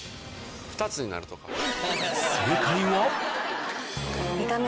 ２つになるとか？